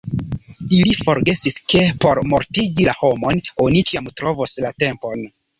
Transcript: Ili forgesis, ke por mortigi la homon oni ĉiam trovos la tempon.